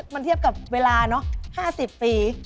มันเทียบกับเวลา๕๐ปี